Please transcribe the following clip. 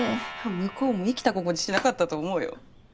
向こうも生きた心地しなかったと思うよ。